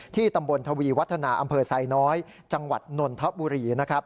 ที่ตำบลทวีวัฒนาอำเภอสายน้อยจังหวัดนนทบุรี